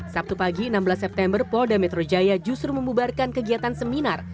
sabtu pagi enam belas september polda metro jaya justru membubarkan kegiatan seminar